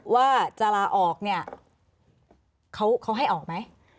ว่าจะลาออกเนี่ยเขาให้ออกไหม